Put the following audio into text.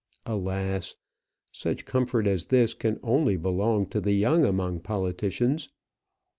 Alas! such comfort as this can only belong to the young among politicians!